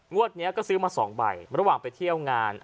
นี้ก็ซื้อมา๒ใบระหว่างไปเที่ยวงาน